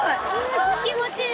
超気持ちいい！